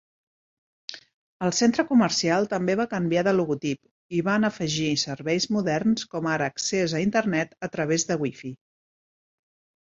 El centre comercial també va canviar de logotip i van afegir serveis moderns com ara accés a internet a través de wifi.